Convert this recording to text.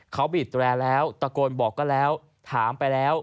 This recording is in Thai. เขาบีดแร่แล้วตะโกนบอกก็แล้วถามไปแล้ว